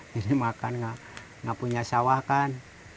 jadi makan nggak punya sawah kan